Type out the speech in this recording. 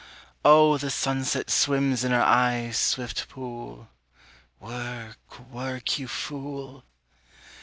Oh the sunset swims in her eyes' swift pool. (_Work, work, you fool